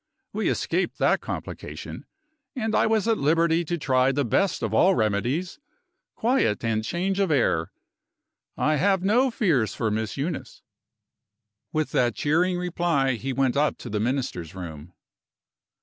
We escaped that complication, and I was at liberty to try the best of all remedies quiet and change of air. I have no fears for Miss Eunice." With that cheering reply he went up to the Minister's room.